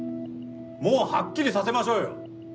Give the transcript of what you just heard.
もうハッキリさせましょうよ！